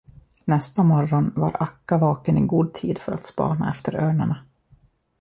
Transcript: Nästa morgon var Akka vaken i god tid för att spana efter örnarna.